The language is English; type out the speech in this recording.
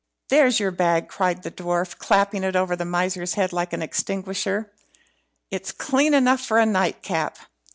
"There's your bag," cried the dwarf, clapping it over the miser's head like an extinguisher; "it's clean enough for a nightcap.